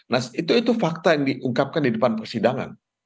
nah itu fakta yang diungkapkan di depan persidangan